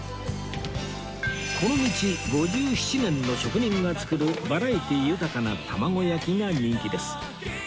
この道５７年の職人が作るバラエティー豊かな玉子焼きが人気です